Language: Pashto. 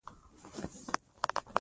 د اکتوبر پر شپږمه واده ته ورغلم.